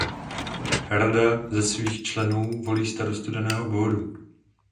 Rada ze svých členů volí starostu daného obvodu.